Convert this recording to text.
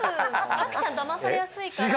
たくちゃん騙されやすいから。